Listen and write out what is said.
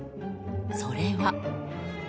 それは。